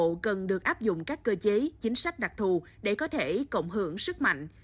đồng bộ cần được áp dụng các cơ chế chính sách đặc thù để có thể cộng hưởng sức mạnh